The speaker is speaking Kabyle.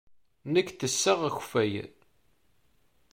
Nekk ttesseɣ akeffay.